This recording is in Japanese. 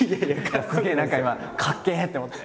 すげえ何か今かっけえ！って思って。